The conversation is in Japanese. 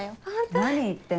何言ってんの。